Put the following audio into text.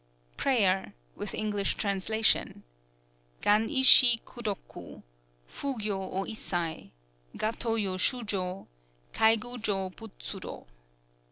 (Prayer with English translation.) _Gan i shi kudoku Fu gyū o issai Gatō yo shujō Kai gu jō butsudo.